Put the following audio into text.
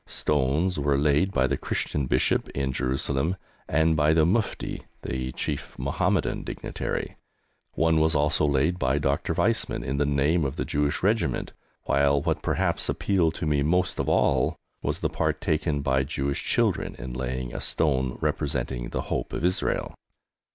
Stones were laid by the Christian Bishop in Jerusalem and by the Mufti (the Chief Mohammedan dignitary). One was also laid by Dr. Weizmann in the name of the Jewish Regiment, while what perhaps appealed to me most of all was the part taken by Jewish children in laying a stone representing the Hope of Israel.